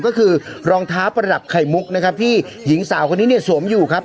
ก็คือรองเท้าประดับไข่มุกนะครับที่หญิงสาวคนนี้เนี่ยสวมอยู่ครับ